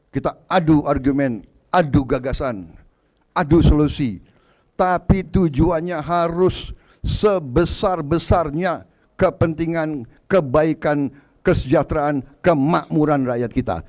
kita adu argumen adu gagasan adu solusi tapi tujuannya harus sebesar besarnya kepentingan kebaikan kesejahteraan kemakmuran rakyat kita